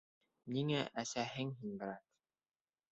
Ниңә әсәһең һин, брат?